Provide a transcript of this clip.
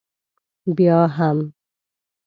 بیا هم.